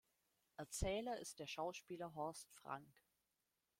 Erzähler ist der Schauspieler Horst Frank.